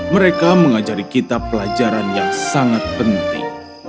mereka mengajari kita pelajaran yang sangat penting